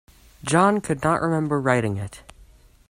John could not remember writing it.